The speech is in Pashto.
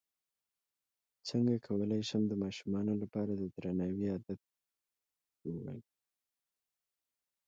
څنګه کولی شم د ماشومانو لپاره د درناوي عادت ښوول